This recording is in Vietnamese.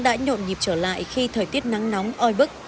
đã nhộn nhịp trở lại khi thời tiết nắng nóng oi bức